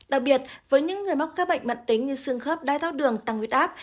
đặc biệt với những người móc các bệnh mặn tính như xương khớp đai tóc đường tăng huyết áp